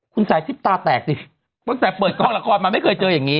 คุณใส่สิบตาแตกสิเพิ่งแต่เปิดกล้องละครมาไม่เคยเจออย่างงี้